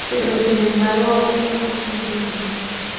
Pero sin embargo, aquel apodo no funcionó.